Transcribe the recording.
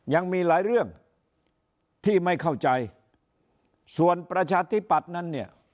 ยังมีหลายเรื่องที่ไม่เข้าใจส่วนประชาธิปัตย์นั้นเนี่ย